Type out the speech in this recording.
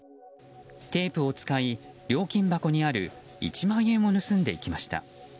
テープを使い、料金箱にある１万円を盗んでいきました。